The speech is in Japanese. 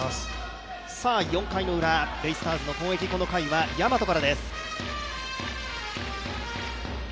４回ウラ、ベイスターズの攻撃、この回は大和からです。